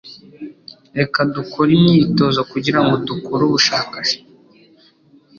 Reka dukore imyitozo kugirango dukore ubushake bwo kurya.